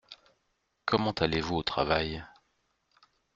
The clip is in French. Comment allez-vous au travail ?